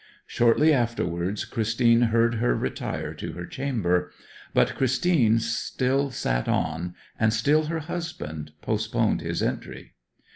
Shortly afterwards Christine heard her retire to her chamber. But Christine still sat on, and still her husband postponed his entry.